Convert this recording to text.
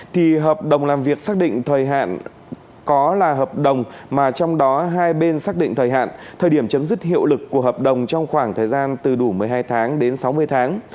thì hợp đồng làm việc xác định thời hạn có là hợp đồng mà trong đó hai bên xác định thời hạn thời điểm chấm dứt hiệu lực của hợp đồng trong khoảng thời gian từ đủ một mươi hai tháng đến sáu mươi tháng